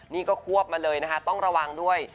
นี่ก็ควบมาเลยนะคะต้องระวังด้วย